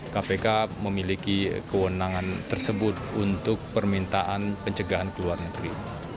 kpk memiliki kewenangan tersebut untuk permintaan pencegahan ke luar negeri